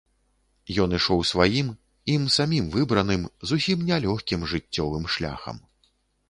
Ён ішоў сваім, ім самім выбраным, зусім не лёгкім жыццёвым шляхам.